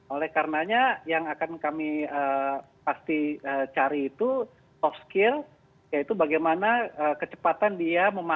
oleh karenanya yang akan kami pasti cari itu soft skills yaitu bagaimana kecepatan di dalamnya